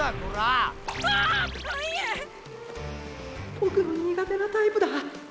ボクの苦手なタイプだ。